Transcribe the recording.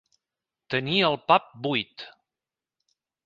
Tenir el pap buit.